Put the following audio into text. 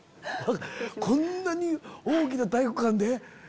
こんなに大きな体育館で！